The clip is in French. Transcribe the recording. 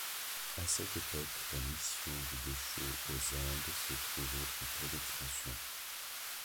À cette époque, la Mission des déchaux aux Indes se trouvait en pleine expansion.